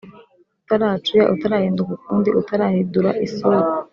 utaracuya: utarahinduka ukundi, utarahidura isura.